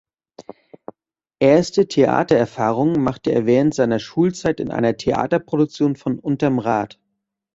Erste Theatererfahrungen machte er während seiner Schulzeit in einer Theaterproduktion von "Unterm Rad".